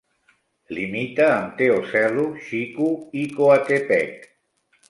Limita amb Teocelo, Xico i Coatepec.